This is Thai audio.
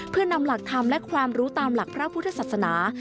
เพื่อนำหลักธรรมและความรู้ตามหลักพระพุทธศาสนา